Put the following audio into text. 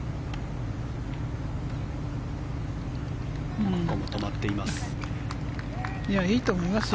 ここも止まっています。